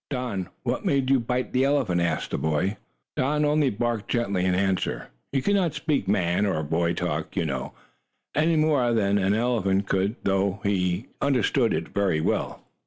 "Don, what made you bite the elephant?" asked the boy. Don only barked gently in answer. He could not speak man or boy talk, you know, any more than an elephant could, though he understood it very well.